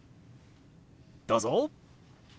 どうぞ！